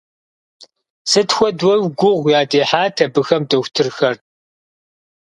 Сыт хуэдэу гугъу ядехьат абыхэм дохутырхэр!